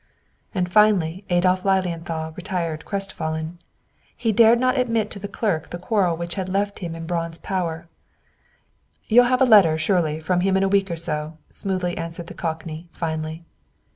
And finally Adolph Lilienthal retired crestfallen. He dared not admit to the clerk the quarrel which had left him in Braun's power. "You'll have a letter surely, from him in a week or so," smoothly answered the cockney, finally.